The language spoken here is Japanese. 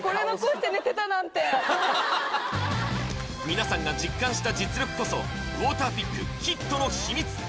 みなさんが実感した実力こそウォーターピックヒットの秘密